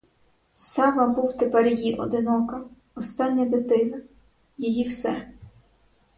Сава був тепер її одинока, остання дитина, її все.